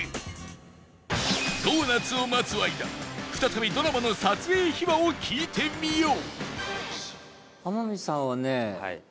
ドーナツを待つ間再びドラマの撮影秘話を聞いてみよう